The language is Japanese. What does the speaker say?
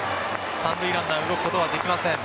三塁ランナー動くことはできません。